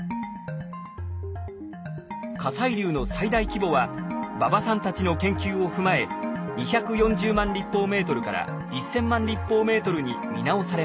火砕流の最大規模は馬場さんたちの研究を踏まえ２４０万立方メートルから１，０００万立方メートルに見直されました。